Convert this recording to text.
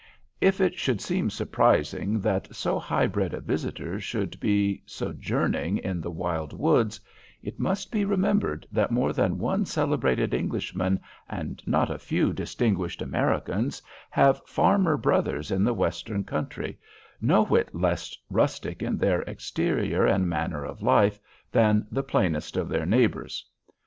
If it should seem surprising that so high bred a visitor should be sojourning in the wild woods, it must be remembered that more than one celebrated Englishman and not a few distinguished Americans have farmer brothers in the western country, no whit less rustic in their exterior and manner of life than the plainest of their neighbors.